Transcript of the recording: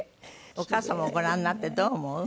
お母様をご覧になってどう思う？